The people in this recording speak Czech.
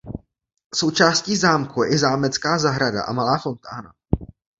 Součástí zámku je i zámecká zahrada a malá fontána.